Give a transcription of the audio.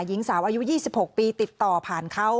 หญิงสาวอายุ๒๖ปีติดต่อผ่านเขา